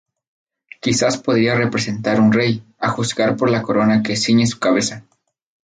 Quizás podría representar un rey, a juzgar por la corona que ciñe su cabeza.